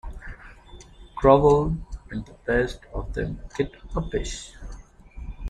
Grovel, and the best of them get uppish.